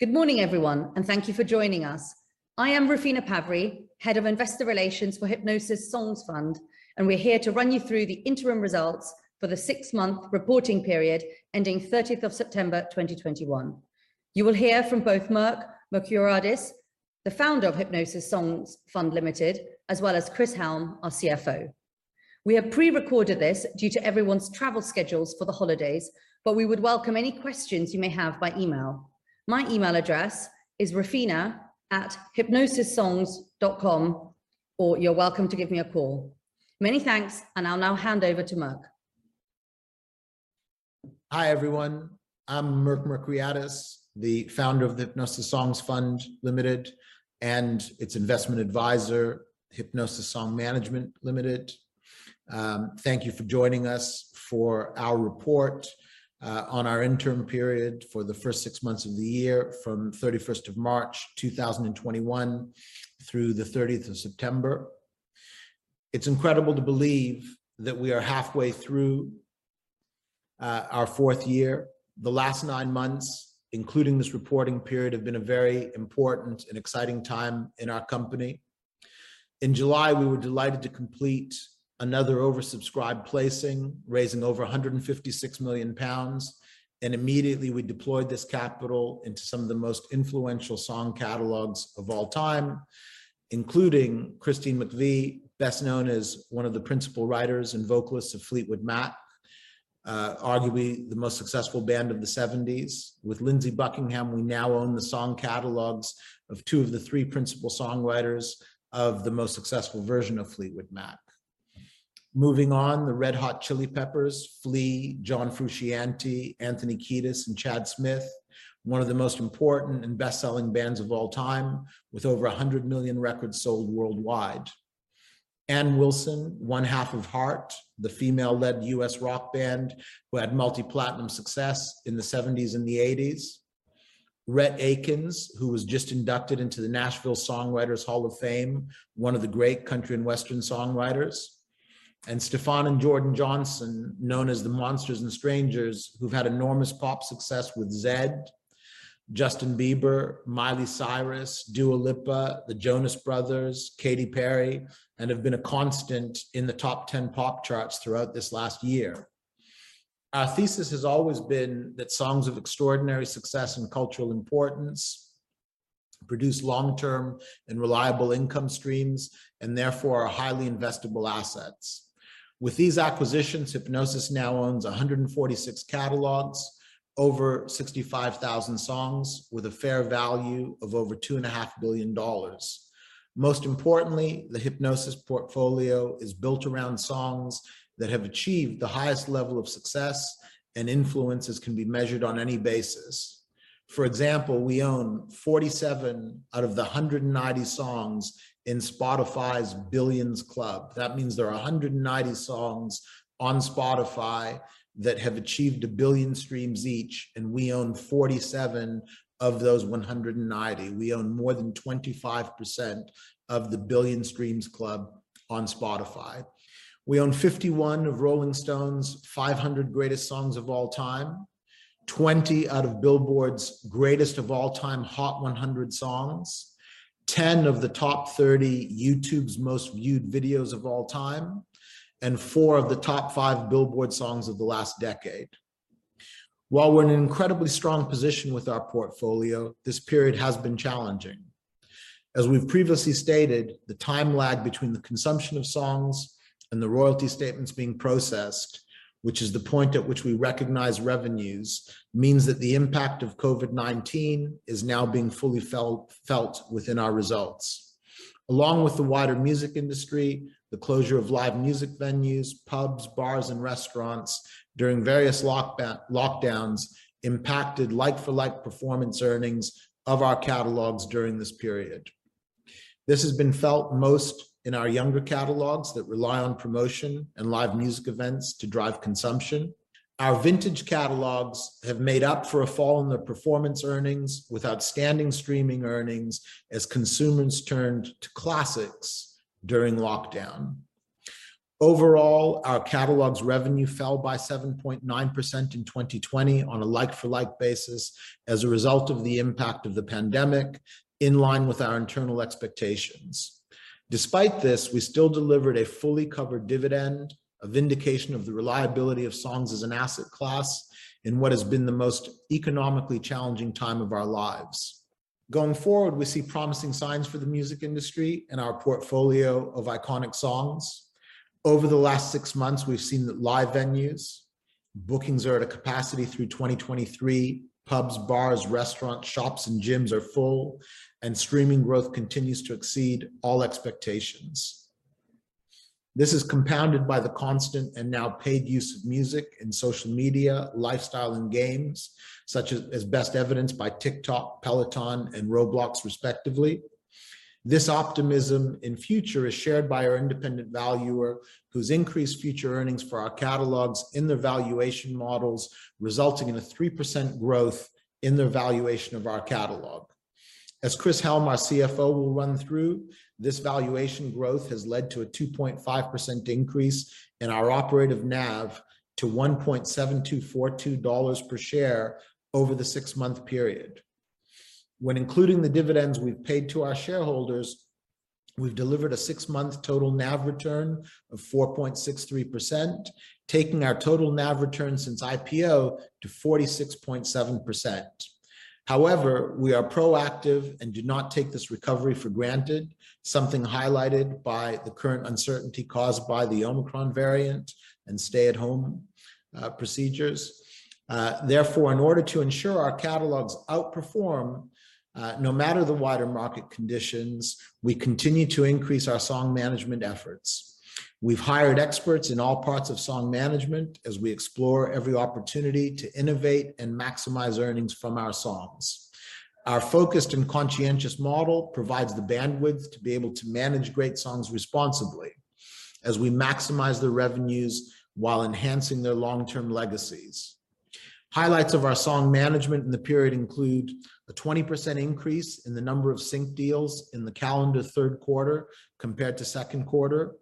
Good morning, everyone, and thank you for joining us. I am Rufina Pavry, Head of Investor Relations for Hipgnosis Songs Fund, and we're here to run you through the interim results for the six-month reporting period ending 30 of September 2021. You will hear from both Merck Mercuriadis, the founder of Hipgnosis Songs Fund Limited, as well as Chris Helm, our CFO. We have pre-recorded this due to everyone's travel schedules for the holidays, but we would welcome any questions you may have by email. My email address is rufina@hipgnosissongs.com, or you're welcome to give me a call. Many thanks, and I'll now hand over to Merck. Hi, everyone. I'm Merck Mercuriadis, the founder of Hipgnosis Songs Fund Limited and its investment advisor, Hipgnosis Song Management Limited. Thank you for joining us for our report on our interim period for the first six months of the year from March 31st, 2021, through September 30. It's incredible to believe that we are halfway through our fourth year. The last nine months, including this reporting period, have been a very important and exciting time in our company. In July, we were delighted to complete another oversubscribed placing, raising over 156 million pounds, and immediately we deployed this capital into some of the most influential song catalogs of all time, including Christine McVie, best known as one of the principal writers and vocalists of Fleetwood Mac, arguably the most successful band of the seventies. With Lindsey Buckingham, we now own the song catalogs of two of the three principal songwriters of the most successful version of Fleetwood Mac. Moving on, the Red Hot Chili Peppers, Flea, John Frusciante, Anthony Kiedis, and Chad Smith, one of the most important and best-selling bands of all time, with over 100 million records sold worldwide. Ann Wilson, one half of Heart, the female-led U.S. rock band who had multi-platinum success in the 70s and the 80s. Rhett Akins, who was just inducted into the Nashville Songwriters Hall of Fame, one of the great country and western songwriters. Stephan and Jordan Johnson, known as The Monsters & Strangerz, who've had enormous pop success with Zedd, Justin Bieber, Miley Cyrus, Dua Lipa, the Jonas Brothers, Katy Perry, and have been a constant in the top 10 pop charts throughout this last year. Our thesis has always been that songs of extraordinary success and cultural importance produce long-term and reliable income streams and therefore are highly investable assets. With these acquisitions, Hipgnosis now owns 146 catalogs, over 65,000 songs with a fair value of over $2.5 billion. Most importantly, the Hipgnosis portfolio is built around songs that have achieved the highest level of success and influence as can be measured on any basis. For example, we own 47 out of the 190 songs in Spotify's Billions Club. That means there are 190 songs on Spotify that have achieved 1 billion streams each, and we own 47 of those 190. We own more than 25% of the Billions Club on Spotify. We own 51 of Rolling Stone's 500 Greatest Songs of All Time, 20 out of Billboard's Greatest of All Time Hot 100 Songs, 10 of the top 30 YouTube's Most Viewed Videos of All Time, and four of the top five Billboard Songs of the last decade. While we're in an incredibly strong position with our portfolio, this period has been challenging. As we've previously stated, the time lag between the consumption of songs and the royalty statements being processed, which is the point at which we recognize revenues, means that the impact of COVID-19 is now being fully felt within our results. Along with the wider music industry, the closure of live music venues, pubs, bars, and restaurants during various lockdowns impacted like-for-like performance earnings of our catalogs during this period. This has been felt most in our younger catalogs that rely on promotion and live music events to drive consumption. Our vintage catalogs have made up for a fall in their performance earnings with outstanding streaming earnings as consumers turned to classics during lockdown. Overall, our catalog's revenue fell by 7.9% in 2020 on a like-for-like basis as a result of the impact of the pandemic, in line with our internal expectations. Despite this, we still delivered a fully covered dividend, a vindication of the reliability of songs as an asset class in what has been the most economically challenging time of our lives. Going forward, we see promising signs for the music industry and our portfolio of iconic songs. Over the last six months, we've seen that live venues, bookings are at a capacity through 2023, pubs, bars, restaurants, shops, and gyms are full, and streaming growth continues to exceed all expectations. This is compounded by the constant and now paid use of music in social media, lifestyle, and games, such as best evidenced by TikTok, Peloton, and Roblox respectively. This optimism in future is shared by our independent valuer, who's increased future earnings for our catalogs in their valuation models, resulting in a 3% growth in their valuation of our catalog. As Chris Helm, our CFO, will run through, this valuation growth has led to a 2.5% increase in our Operative NAV to $1.7242 per share over the six-month period. When including the dividends we've paid to our shareholders, we've delivered a six-month total NAV return of 4.63%, taking our total NAV return since IPO to 46.7%. However, we are proactive and do not take this recovery for granted, something highlighted by the current uncertainty caused by the Omicron variant and stay-at-home procedures. Therefore, in order to ensure our catalogs outperform, no matter the wider market conditions, we continue to increase our song management efforts. We've hired experts in all parts of song management as we explore every opportunity to innovate and maximize earnings from our songs. Our focused and conscientious model provides the bandwidth to be able to manage great songs responsibly as we maximize the revenues while enhancing their long-term legacies. Highlights of our song management in the period include a 20% increase in the number of sync deals in the calendar third quarter compared to second quarter.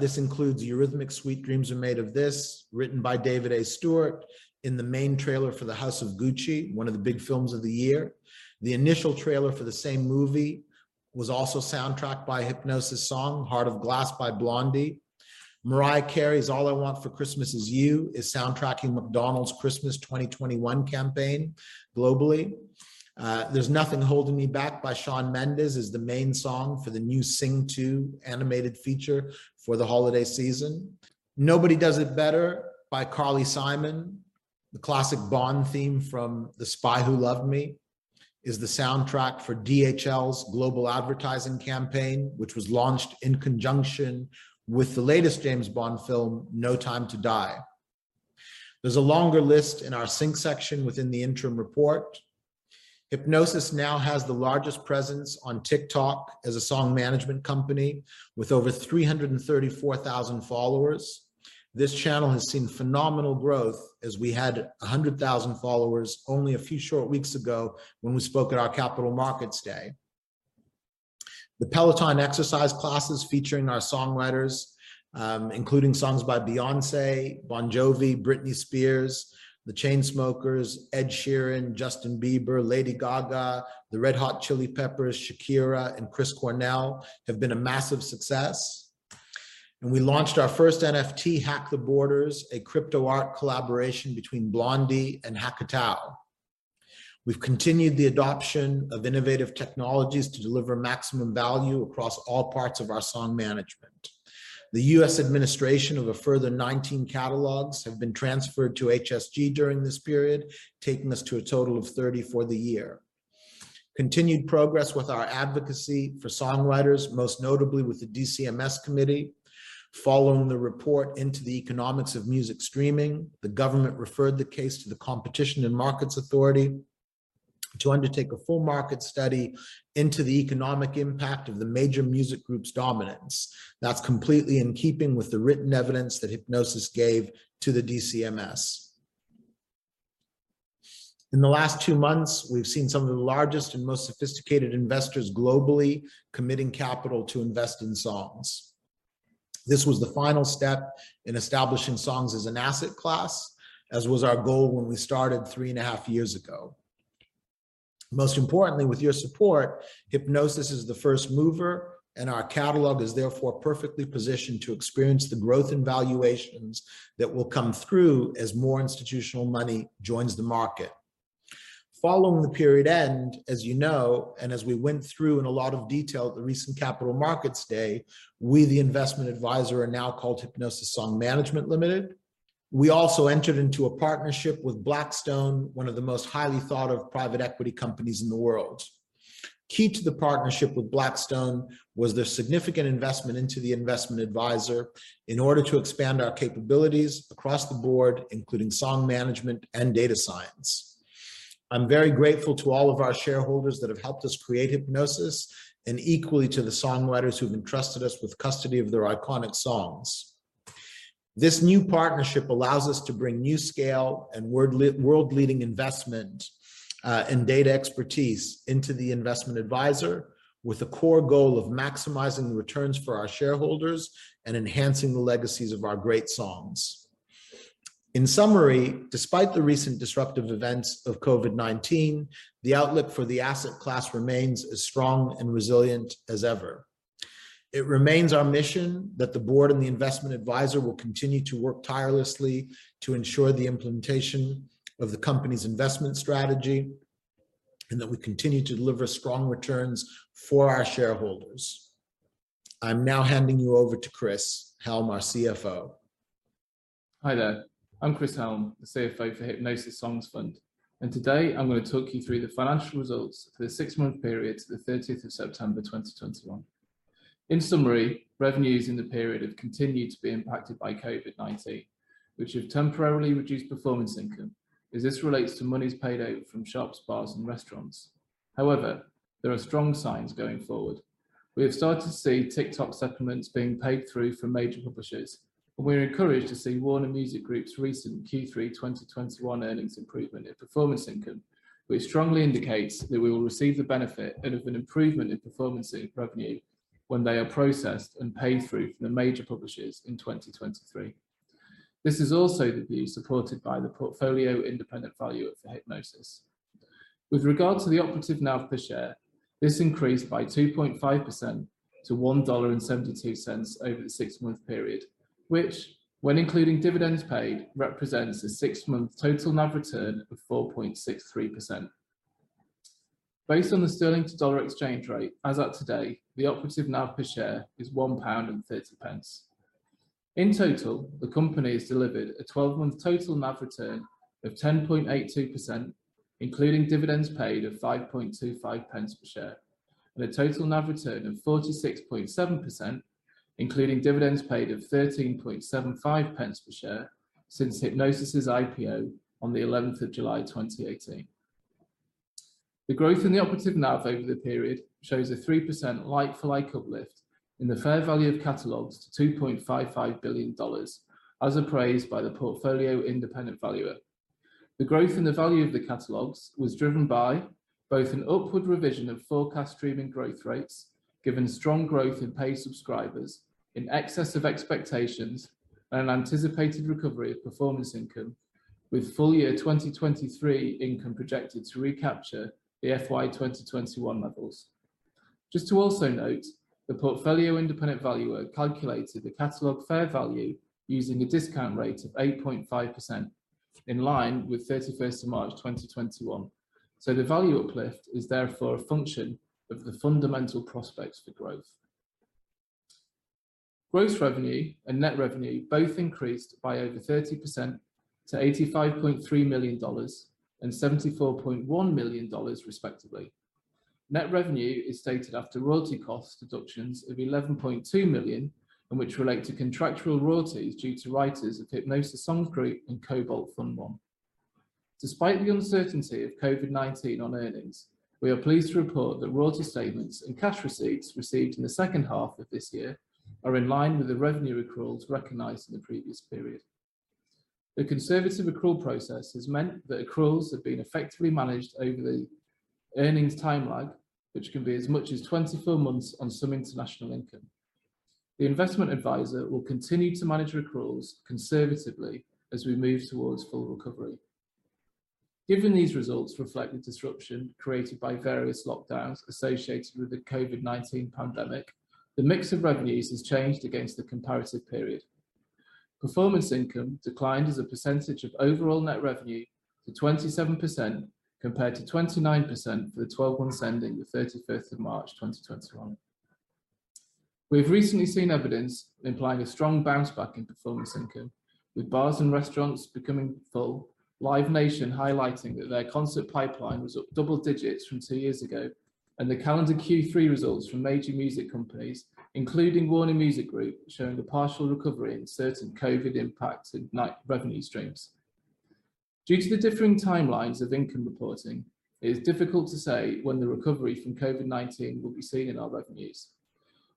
This includes Eurythmics' Sweet Dreams Are Made of This, written by David A. Stewart in the main trailer for House of Gucci, one of the big films of the year. The initial trailer for the same movie was also soundtracked by Hipgnosis' song, Heart of Glass by Blondie. Mariah Carey's All I Want for Christmas Is You is soundtracking McDonald's Christmas 2021 campaign globally. There's Nothing Holding Me Back by Shawn Mendes is the main song for the new Sing 2 animated feature for the holiday season. Nobody Does It Better by Carly Simon, the classic Bond theme from The Spy Who Loved Me, is the soundtrack for DHL's global advertising campaign, which was launched in conjunction with the latest James Bond film, No Time to Die. There's a longer list in our sync section within the interim report. Hipgnosis now has the largest presence on TikTok as a song management company with over 334,000 followers. This channel has seen phenomenal growth as we had 100,000 followers only a few short weeks ago when we spoke at our Capital Markets Day. The Peloton exercise classes featuring our songwriters, including songs by Beyoncé, Bon Jovi, Britney Spears, The Chainsmokers, Ed Sheeran, Justin Bieber, Lady Gaga, The Red Hot Chili Peppers, Shakira, and Chris Cornell have been a massive success. We launched our first NFT, Hack the Borders, a crypto art collaboration between Blondie and Hackatao. We've continued the adoption of innovative technologies to deliver maximum value across all parts of our song management. The U.S. administration of a further 19 catalogs have been transferred to HSG during this period, taking us to a total of 30 for the year. Continued progress with our advocacy for songwriters, most notably with the DCMS committee. Following the report into the economics of music streaming, the government referred the case to the Competition and Markets Authority to undertake a full market study into the economic impact of the major music group's dominance. That's completely in keeping with the written evidence that Hipgnosis gave to the DCMS. In the last two months, we've seen some of the largest and most sophisticated investors globally committing capital to invest in songs. This was the final step in establishing songs as an asset class, as was our goal when we started three and a half years ago. Most importantly, with your support, Hipgnosis is the first mover, and our catalog is therefore perfectly positioned to experience the growth in valuations that will come through as more institutional money joins the market. Following the period end, as you know, and as we went through in a lot of detail at the recent Capital Markets Day, we, the investment advisor, are now called Hipgnosis Song Management Limited. We also entered into a partnership with Blackstone, one of the most highly thought of private equity companies in the world. Key to the partnership with Blackstone was their significant investment into the investment advisor in order to expand our capabilities across the board, including song management and data science. I'm very grateful to all of our shareholders that have helped us create Hipgnosis and equally to the songwriters who've entrusted us with custody of their iconic songs. This new partnership allows us to bring new scale and world-leading investment, and data expertise into the investment advisor with the core goal of maximizing the returns for our shareholders and enhancing the legacies of our great songs. In summary, despite the recent disruptive events of COVID-19, the outlook for the asset class remains as strong and resilient as ever. It remains our mission that the board and the investment advisor will continue to work tirelessly to ensure the implementation of the company's investment strategy and that we continue to deliver strong returns for our shareholders. I'm now handing you over to Chris Helm, our CFO. Hi there. I'm Chris Helm, the CFO for Hipgnosis Songs Fund. Today, I'm gonna talk you through the financial results for the six-month period to the 30th of September 2021. In summary, revenues in the period have continued to be impacted by COVID-19, which have temporarily reduced performance income as this relates to monies paid out from shops, bars, and restaurants. However, there are strong signs going forward. We have started to see TikTok settlements being paid through for major publishers, and we're encouraged to see Warner Music Group's recent Q3 2021 earnings improvement in performance income, which strongly indicates that we will receive the benefit of an improvement in performance revenue when they are processed and paid through from the major publishers in 2023. This is also the view supported by the portfolio independent valuer for Hipgnosis. With regard to the Operative NAV per share, this increased by 2.5% to $1.72 over the six-month period, which when including dividends paid, represents a six-month total NAV return of 4.63%. Based on the sterling to dollar exchange rate, as at today, the Operative NAV per share is 1.30 pound. In total, the company has delivered a 12-month total NAV return of 10.82%, including dividends paid of 0.0525 per share, and a total NAV return of 46.7%, including dividends paid of 0.1375 per share since Hipgnosis' IPO on the 11th of July, 2018. The growth in the Operative NAV over the period shows a 3% like-for-like uplift in the fair value of catalogs to $2.55 billion as appraised by the portfolio independent valuer. The growth in the value of the catalogs was driven by both an upward revision of forecast streaming growth rates, given strong growth in paid subscribers in excess of expectations and an anticipated recovery of performance income, with full year 2023 income projected to recapture the FY 2021 levels. Just to also note, the portfolio independent valuer calculated the catalog fair value using a discount rate of 8.5% in line with 31th of March, 2021. The value uplift is therefore a function of the fundamental prospects for growth. Gross revenue and net revenue both increased by over 30% to $85.3 million and $74.1 million, respectively. Net revenue is stated after royalty cost deductions of $11.2 million, and which relate to contractual royalties due to writers of Hipgnosis Songs Group and Kobalt Fund I. Despite the uncertainty of COVID-19 on earnings, we are pleased to report that royalty statements and cash receipts received in the second half of this year are in line with the revenue accruals recognized in the previous period. The conservative accrual process has meant that accruals have been effectively managed over the earnings time lag, which can be as much as 24 months on some international income. The investment advisor will continue to manage accruals conservatively as we move towards full recovery. Given these results reflect the disruption created by various lockdowns associated with the COVID-19 pandemic, the mix of revenues has changed against the comparative period. Performance income declined as a percentage of overall net revenue to 27%, compared to 29% for the 12 months ending March 31st 2021. We have recently seen evidence implying a strong bounce back in performance income, with bars and restaurants becoming full, Live Nation highlighting that their concert pipeline was up double digits from two years ago, and the calendar Q3 results from major music companies, including Warner Music Group, showing a partial recovery in certain COVID impacted night revenue streams. Due to the differing timelines of income reporting, it is difficult to say when the recovery from COVID-19 will be seen in our revenues.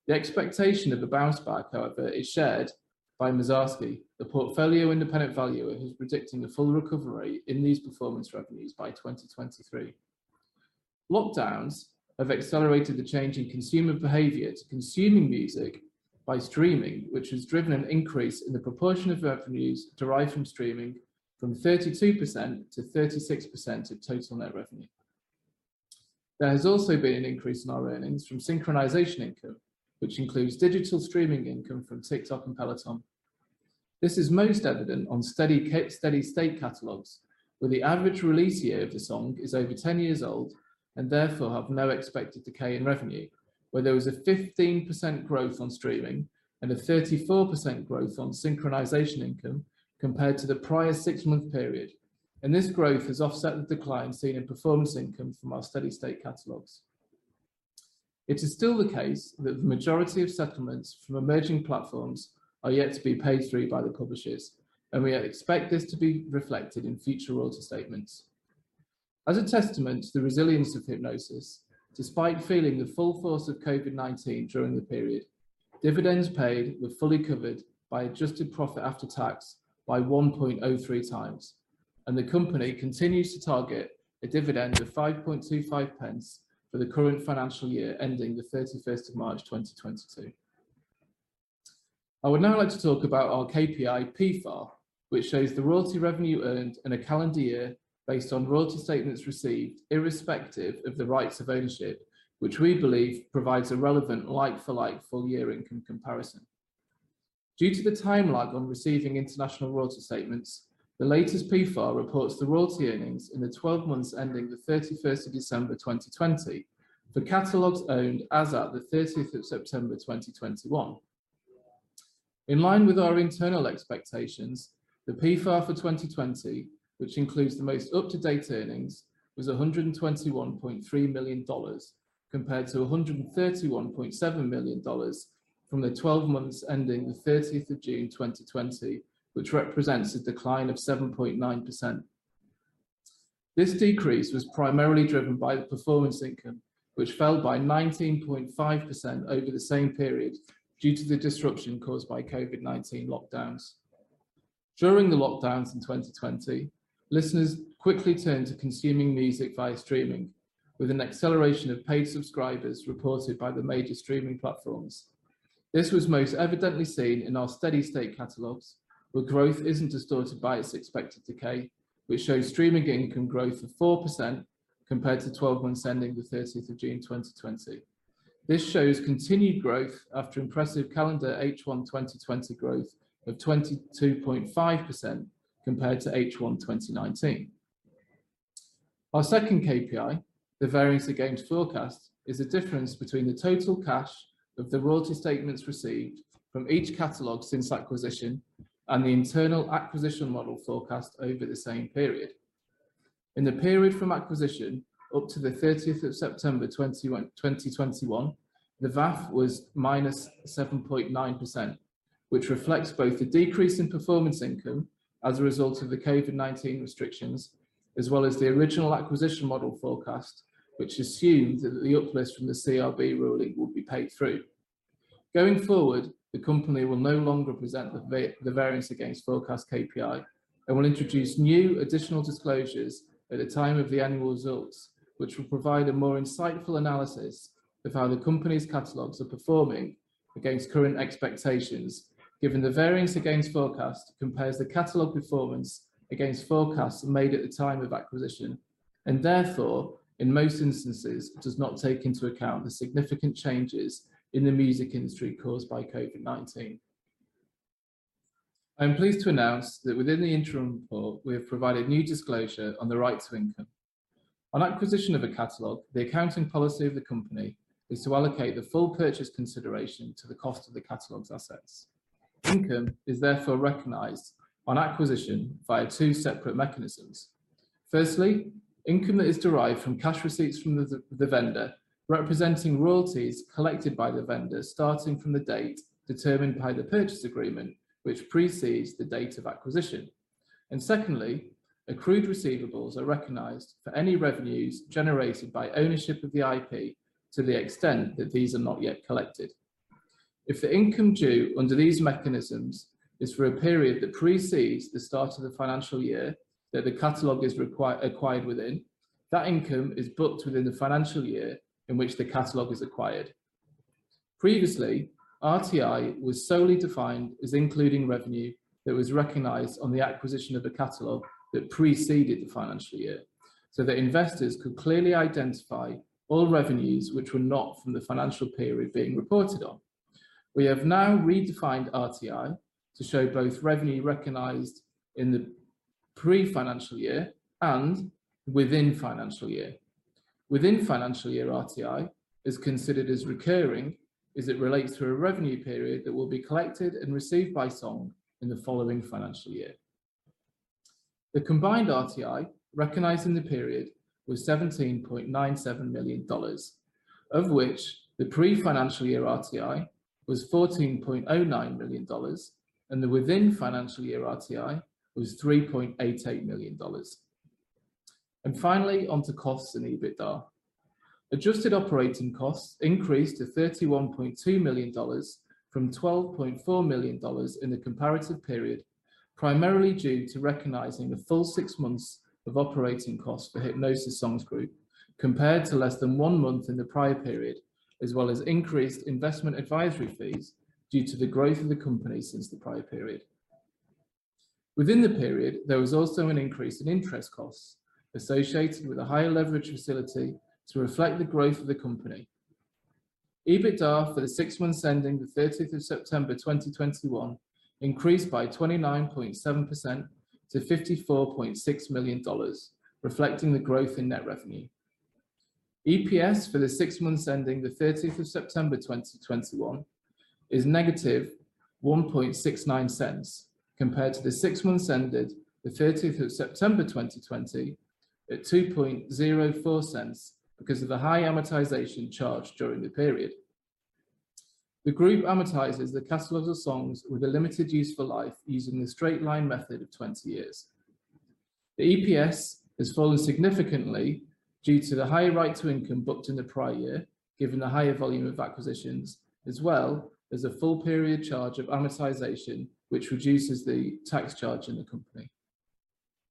The expectation of a bounce back, however, is shared by Massarsky, the portfolio independent valuer, who's predicting a full recovery in these performance revenues by 2023. Lockdowns have accelerated the change in consumer behavior to consuming music by streaming, which has driven an increase in the proportion of revenues derived from streaming from 32%-36% of total net revenue. There has also been an increase in our earnings from synchronization income, which includes digital streaming income from TikTok and Peloton. This is most evident on steady state catalogs, where the average release year of the song is over 10 years old and therefore have no expected decay in revenue, where there was a 15% growth on streaming and a 34% growth on synchronization income compared to the prior six-month period. This growth has offset the decline seen in performance income from our steady state catalogs. It is still the case that the majority of settlements from emerging platforms are yet to be paid through by the publishers, and we expect this to be reflected in future royalty statements. As a testament to the resilience of Hipgnosis, despite feeling the full force of COVID-19 during the period, dividends paid were fully covered by adjusted profit after tax by 1.03x, and the company continues to target a dividend of 5.25 pence for the current financial year ending the 31st of March 2022. I would now like to talk about our KPI PFAR, which shows the royalty revenue earned in a calendar year based on royalty statements received irrespective of the rights of ownership, which we believe provides a relevant like-for-like full year income comparison. Due to the time lag on receiving international royalty statements, the latest PFAR reports the royalty earnings in the 12 months ending December 31st, 2020 for catalogs owned as at September 30th, 2021. In line with our internal expectations, the PFAR for 2020, which includes the most up-to-date earnings, was $121.3 million, compared to $131.7 million from the 12 months ending 30th of June 2020, which represents a decline of 7.9%. This decrease was primarily driven by the performance income, which fell by 19.5% over the same period due to the disruption caused by COVID-19 lockdowns. During the lockdowns in 2020, listeners quickly turned to consuming music via streaming, with an acceleration of paid subscribers reported by the major streaming platforms. This was most evidently seen in our steady-state catalogs, where growth isn't distorted by its expected decay, which shows streaming income growth of 4% compared to 12 months ending the 30th of June 2020. This shows continued growth after impressive calendar H1 2020 growth of 22.5% compared to H1 2019. Our second KPI, the variance against forecast, is the difference between the total cash of the royalty statements received from each catalog since acquisition and the internal acquisition model forecast over the same period. In the period from acquisition up to the 30th of September 2021, the VAF was -7.9%, which reflects both the decrease in performance income as a result of the COVID-19 restrictions, as well as the original acquisition model forecast, which assumed that the uplift from the CRB ruling would be paid through. Going forward, the company will no longer present the variance against forecast KPI and will introduce new additional disclosures at the time of the annual results, which will provide a more insightful analysis of how the company's catalogs are performing against current expectations, given the variance against forecast compares the catalog performance against forecasts made at the time of acquisition, and therefore, in most instances, does not take into account the significant changes in the music industry caused by COVID-19. I am pleased to announce that within the interim report, we have provided new disclosure on the right to income. On acquisition of a catalog, the accounting policy of the company is to allocate the full purchase consideration to the cost of the catalog's assets. Income is therefore recognized on acquisition via two separate mechanisms. Firstly, income that is derived from cash receipts from the vendor, representing royalties collected by the vendor starting from the date determined by the purchase agreement, which precedes the date of acquisition. Secondly, accrued receivables are recognized for any revenues generated by ownership of the IP to the extent that these are not yet collected. If the income due under these mechanisms is for a period that precedes the start of the financial year that the catalog is acquired within, that income is booked within the financial year in which the catalog is acquired. Previously, RTI was solely defined as including revenue that was recognized on the acquisition of a catalog that preceded the financial year, so that investors could clearly identify all revenues which were not from the financial period being reported on. We have now redefined RTI to show both revenue recognized in the pre-financial year and within financial year. Within financial year, RTI is considered as recurring as it relates to a revenue period that will be collected and received by Song in the following financial year. The combined RTI recognized in the period was $17.97 million, of which the pre-financial year RTI was $14.09 million, and the within financial year RTI was $3.88 million. Finally, onto costs and EBITDA. Adjusted operating costs increased to $31.2 million from $12.4 million in the comparative period, primarily due to recognizing the full six months of operating costs for Hipgnosis Songs Group, compared to less than one month in the prior period, as well as increased investment advisory fees due to the growth of the company since the prior period. Within the period, there was also an increase in interest costs associated with a higher leverage facility to reflect the growth of the company. EBITDA for the six months ending the 30th of September 2021 increased by 29.7%-$54.6 million, reflecting the growth in net revenue. EPS for the six months ending the 30th of September 2021 is -$0.0169, compared to the six months ended the 30th of September 2020 at $0.0204 because of the high amortization charge during the period. The group amortizes the catalog of the songs with a limited useful life using the straight-line method of 20 years. The EPS has fallen significantly due to the higher royalty income booked in the prior year, given the higher volume of acquisitions, as well as a full period charge of amortization, which reduces the tax charge in the company.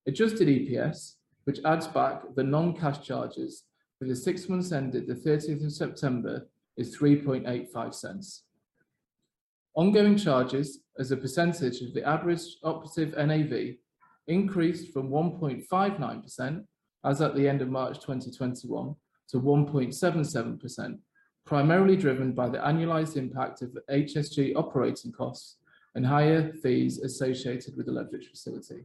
Adjusted EPS, which adds back the non-cash charges for the six months ended the 30th of September, is $0.0385. Ongoing charges as a percentage of the average operative NAV increased from 1.59%, as at the end of March 2021, to 1.77%, primarily driven by the annualized impact of HSG operating costs and higher fees associated with the leverage facility.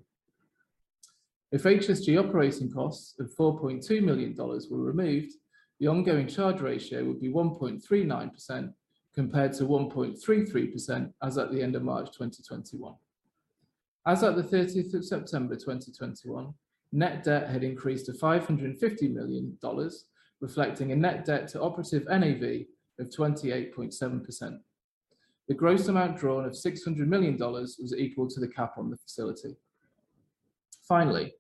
If HSG operating costs of $4.2 million were removed, the ongoing charge ratio would be 1.39% compared to 1.33% as at the end of March 2021. As at 30th of September 2021, net debt had increased to $550 million, reflecting a net debt to Operative NAV of 28.7%. The gross amount drawn of $600 million was equal to the cap on the facility. Finally,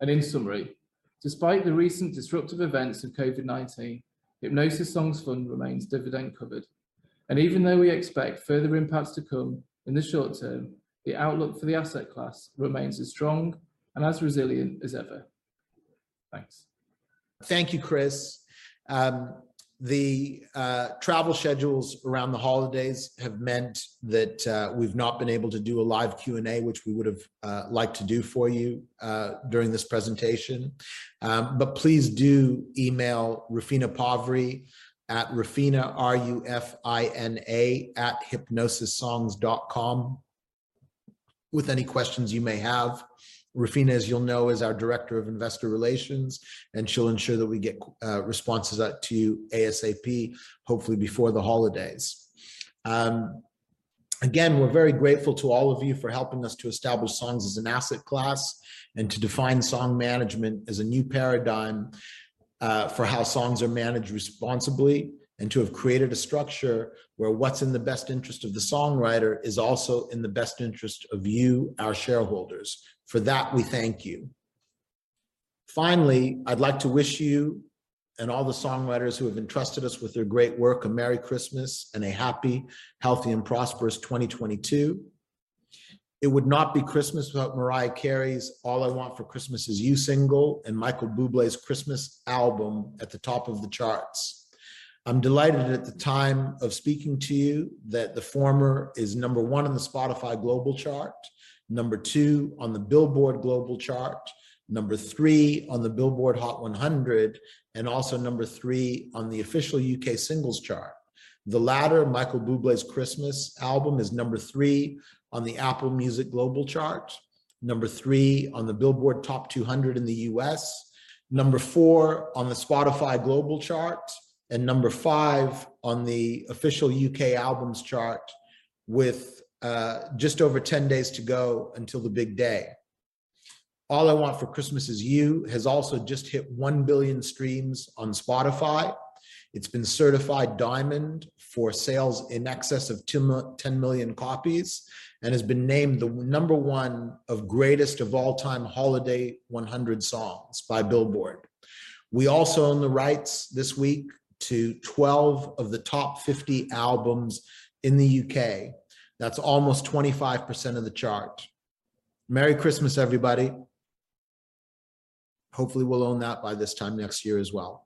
in summary, despite the recent disruptive events of COVID-19, Hipgnosis Songs Fund remains dividend-covered. Even though we expect further impacts to come in the short term, the outlook for the asset class remains as strong and as resilient as ever. Thanks. Thank you, Chris. The travel schedules around the holidays have meant that we've not been able to do a live Q&A, which we would've liked to do for you during this presentation. Please do email Rufina Pavry at rufina, R-U-F-I-N-A, @hipgnosissongs.com with any questions you may have. Rufina, as you'll know, is our Director of Investor Relations, and she'll ensure that we get responses out to you ASAP, hopefully before the holidays. Again, we're very grateful to all of you for helping us to establish songs as an asset class and to define song management as a new paradigm for how songs are managed responsibly, and to have created a structure where what's in the best interest of the songwriter is also in the best interest of you, our shareholders. For that, we thank you. Finally, I'd like to wish you and all the songwriters who have entrusted us with their great work a merry Christmas and a happy, healthy and prosperous 2022. It would not be Christmas without Mariah Carey's All I Want for Christmas Is You single and Michael Bublé's Christmas album at the top of the charts. I'm delighted at the time of speaking to you that the former is number one on the Spotify Global chart, number two on the Billboard Global chart, number three on the Billboard Hot 100, and also number three on the official U.K. singles chart. The latter, Michael Bublé's Christmas album, is number three on the Apple Music Global chart, number three on the Billboard 200 in the U.S., number four on the Spotify Global chart, and number five on the Official U.K. Albums Chart with just over 10 days to go until the big day. All I Want for Christmas Is You has also just hit 1 billion streams on Spotify. It's been certified diamond for sales in excess of 10 million copies and has been named the number one of greatest of all time holiday 100 songs by Billboard. We also own the rights this week to 12 of the top 50 albums in the U.K. That's almost 25% of the chart. Merry Christmas, everybody. Hopefully we'll own that by this time next year as well.